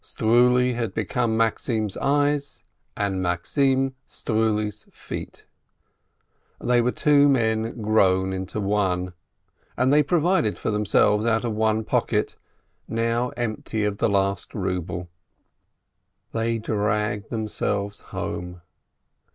Struli had become Maxim's eyes, and Maxim, Struli's feet; they were two men grown into one, and they pro vided for themselves out of one pocket, now empty of the last ruhle. They dragged themselves home.